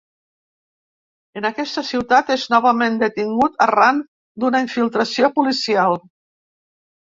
En aquesta ciutat és novament detingut arran d'una infiltració policial.